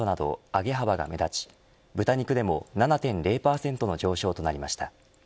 上げ幅が目立ち豚肉でも７．０％の上昇となりました。